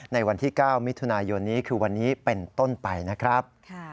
ในวันที่๙มิถุนายนนี้คือวันนี้เป็นต้นไปนะครับ